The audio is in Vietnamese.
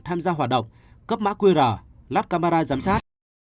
tham gia hoạt động cấp mã qr lắp camera giám sát